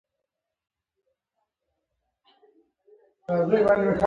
ږغ يې ټيټ کړ ګوره چې امنيت والا خبر نسي.